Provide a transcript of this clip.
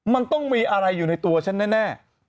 มันต้องมีอะไรอยู่ในตัวฉันแน่